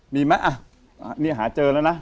มีไหมนี่หาเจอแล้วนะ